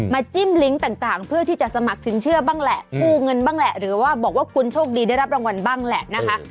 จิ้มลิงก์ต่างเพื่อที่จะสมัครสินเชื่อบ้างแหละกู้เงินบ้างแหละหรือว่าบอกว่าคุณโชคดีได้รับรางวัลบ้างแหละนะคะ